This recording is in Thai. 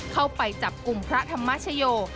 เข้าไปจับกลุ่มพระธรรมชโย